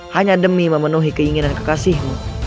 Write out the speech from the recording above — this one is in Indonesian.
hanya demi memenuhi keinginan kekasihmu